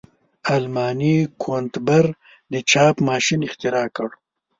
آلماني ګونتبر د چاپ ماشین اختراع کړ.